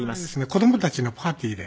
子どもたちのパーティーで。